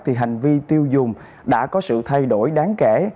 thì hành vi tiêu dùng đã có sự thay đổi đáng kể